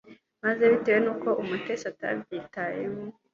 maze bitewe n’uko umutetsi atabyitayeho